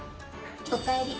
おかえり。